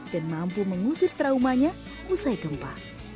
dan mampu mengusir traumanya usai gempa